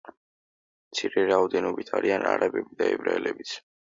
მცირე რაოდენობით არიან არაბები და ებრაელებიც.